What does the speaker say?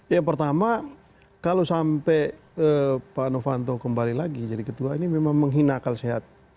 ya pertama kalau sampai pak novanto kembali lagi jadi ketua ini memang menghina akal sehat